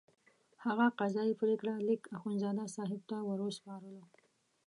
هغه قضایي پرېکړه لیک اخندزاده صاحب ته وروسپارلو.